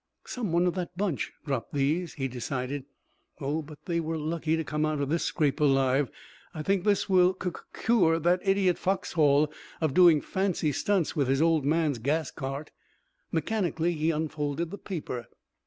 "Some one of that bunch dropped these," he decided. "Oh, but they were lucky to come out of this scrape alive! I think this will cuc cure that idiot Foxhall of doing fancy stunts with his old man's gas cart." Mechanically he unfolded the paper.